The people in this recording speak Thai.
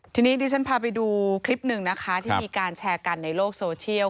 ทีนี้ดิฉันพาไปดูคลิปหนึ่งนะคะที่มีการแชร์กันในโลกโซเชียล